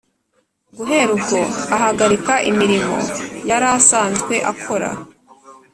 Guhera ubwo ahagarika imirimo yari asanzwe akora